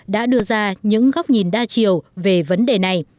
đã đưa ra những góc nhìn đa chiều về vấn đề này